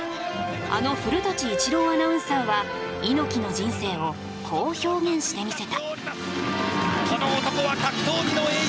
あの古伊知郎アナウンサーは猪木の人生をこう表現してみせた。